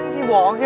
supir ke bohong gue